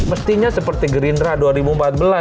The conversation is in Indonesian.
mestinya seperti gerindra dua ribu empat belas